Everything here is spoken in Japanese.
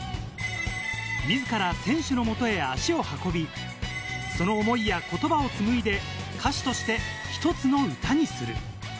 自ら選手の元へ足を運び、その思いや言葉を紡いで、歌詞として１つの歌にする。